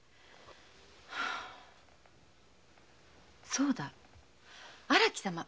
そうだ荒木様。